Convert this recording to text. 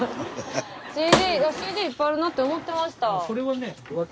ＣＤいっぱいあるなと思ってました。